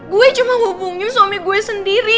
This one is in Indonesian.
gue cuma hubungin suami gue sendiri